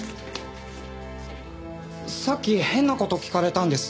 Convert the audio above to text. さっき変な事聞かれたんです。